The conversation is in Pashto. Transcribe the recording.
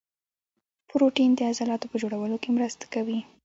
پروټین د عضلاتو په جوړولو کې مرسته کوي